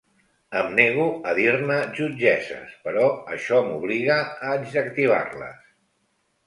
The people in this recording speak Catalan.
Em nego a dir-ne jutgesses, però això m'obliga a adjectivar-les.